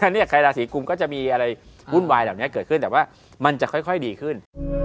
เนี่ยใครราศีกุมก็จะมีอะไรวุ่นวายเหล่านี้เกิดขึ้นแต่ว่ามันจะค่อยดีขึ้น